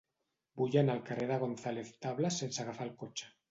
Vull anar al carrer de González Tablas sense agafar el cotxe.